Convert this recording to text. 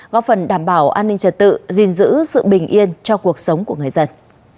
góp phần đảm bảo an ninh trật tự gìn giữ sự bình yên cho cuộc sống của người dân